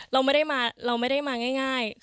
เราไม่ได้มาเราไม่ได้มาง่าย